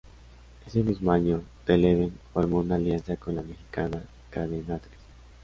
Ese mismo año, Televen formó una alianza con la mexicana Cadenatres.